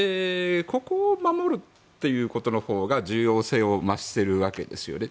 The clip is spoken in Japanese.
ここを守るということのほうが重要性を増しているわけですね。